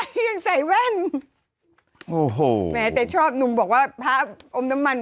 ยังใส่แว่นโอ้โหแม้แต่ชอบหนุ่มบอกว่าพระอมน้ำมัน